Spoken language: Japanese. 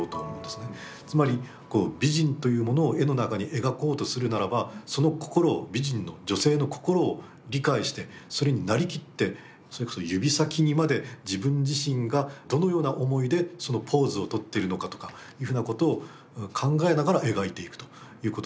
つまり美人というものを絵の中に描こうとするならばその心を美人の女性の心を理解してそれになりきってそれこそ指先にまで自分自身がどのような思いでそのポーズをとっているのかとかいうふうなことを考えながら描いていくということになる。